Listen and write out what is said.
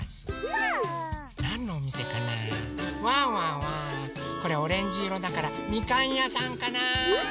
ワンワンはこれオレンジいろだからみかんやさんかな？